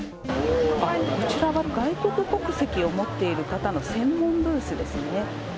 こちらは外国国籍を持っている方の専門ブースですね。